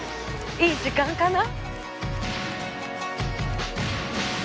いい時間かな？